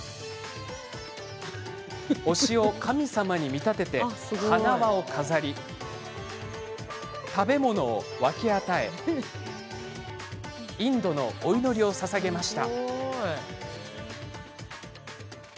推しを神様に見立て、花輪を飾り食べ物を分け与えインドのお祈りをささげました。